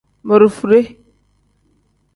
Borofude.